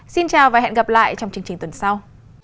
xin chào và hẹn gặp lại trong chương trình tuần sau